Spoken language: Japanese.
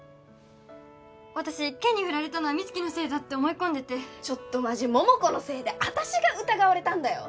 私健にフラれたのは美月のせいだって思い込んでてちょっとマジ桃子のせいで私が疑われたんだよ